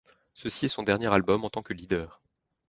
Ceci est son dernier album en tant que leader.